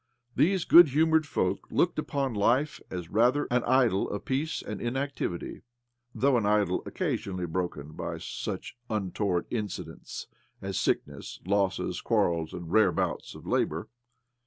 These good humoured folk looked upon life as, rather, an idyll of peace and inactivity —' though an idyll occasionally broken byi such untoward incidents as sicknesses, losses, ; quarrels, and rare bouts of labour.